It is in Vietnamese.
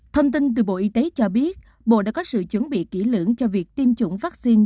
thông tin từ bộ y tế cho biết bộ đã có sự chuẩn bị kỹ lưỡng cho việc tiêm chủng vaccine